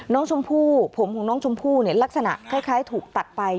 น้องชมพู่ผมของน้องชมพู่เนี่ยลักษณะคล้ายถูกตัดไป